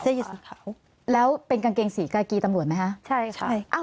เสื้อยืดสีเขาแล้วเป็นกางเกงสีกากีตำรวจไหมคะใช่ค่ะอ้าว